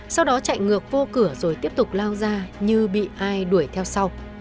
sau đó chạy ngược vô cửa rồi tiếp tục lao ra như bị ai đuổi theo sau